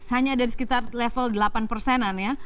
delapan hanya dari sekitar level delapan persenan ya